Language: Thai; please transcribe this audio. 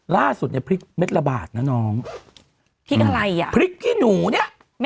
ล่าสุดเนี่ยพริกเม็ดละบาทนะน้องพริกอะไรอ่ะพริกขี้หนูเนี้ย